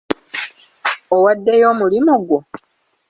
Owaddeyo omulimu gwo?